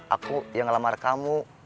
aku yang ngelamar kamu